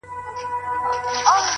ځوان د خپلي خولگۍ دواړي شونډي قلف کړې ـ